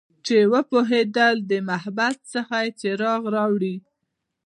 چې وپوهیدل د محبس څخه یې څراغ راوړي